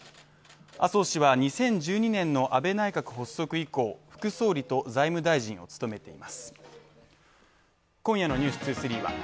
麻生氏は２０１２年の安倍内閣発足以降、副総理と財務大臣を務めて北山！